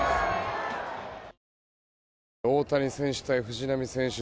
大谷選手対藤浪選手